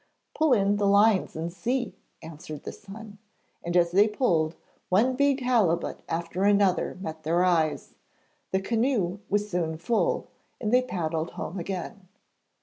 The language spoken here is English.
'Pull in the lines and see,' answered the son, and as they pulled, one big halibut after another met their eyes. The canoe was soon full, and they paddled home again.